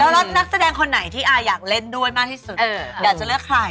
แล้วนักแสดงคนไหนที่อาอยากเล่นด้วยมากที่สุดอยากจะเลือกใคร